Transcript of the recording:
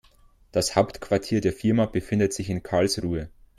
Das Hauptquartier der Firma befindet sich in Karlsruhe